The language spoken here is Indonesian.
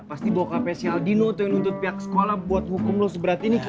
pasti bawa kapesnya alino atau yang nuntut pihak sekolah buat hukum lo seberat ini ki